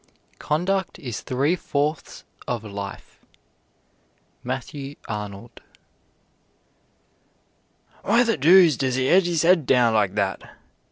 Conduct is three fourths of life. MATTHEW ARNOLD. "Why the doose de 'e 'old 'is 'ead down like that?"